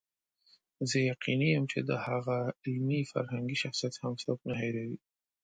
زه یقیني یم چې د هغه علمي فرهنګي شخصیت هم څوک نه هېروي.